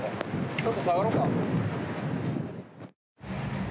ちょっと下がろうか。